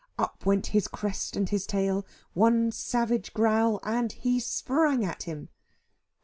Up went his crest and his tail, one savage growl, and he sprang at him.